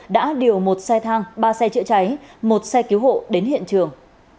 đã điều một xe thang ba xe chữa cháy một xe cứu hộ đến hiện trường